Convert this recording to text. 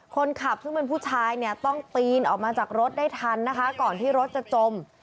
คนขับซึ่งเป็นผู้ชายเนี่ยต้องปีนออกมาจากรถได้ทันนะคะก่อนที่รถจะจม